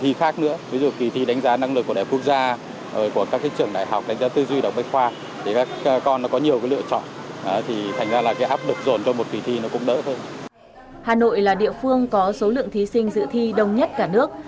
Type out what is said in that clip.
hà nội là địa phương có số lượng thí sinh dự thi đông nhất cả nước